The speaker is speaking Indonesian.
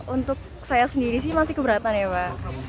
untuk saya sendiri sih masih keberatan ya pak